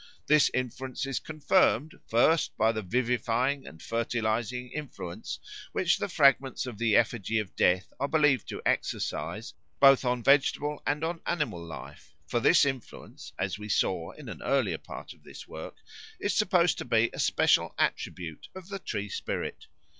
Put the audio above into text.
This inference is confirmed, first, by the vivifying and fertilising influence which the fragments of the effigy of Death are believed to exercise both on vegetable and on animal life; for this influence, as we saw in an earlier part of this work, is supposed to be a special attribute of the tree spirit.